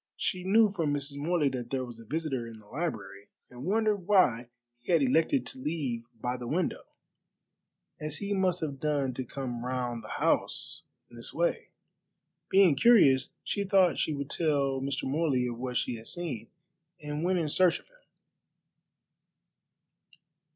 She knew from Mrs. Morley that there was a visitor in the library, and wondered why he had elected to leave by the window, as he must have done to come round the house in this way. Being curious, she thought she would tell Mr. Morley of what she had seen, and went in search of him.